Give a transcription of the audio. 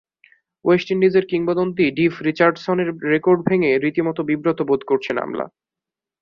West ইন্ডিজের কিংবদন্তি Viv রিচার্ডসের রেকর্ড ভেঙে রীতিমতো বিব্রত বোধ করছেন আমলা।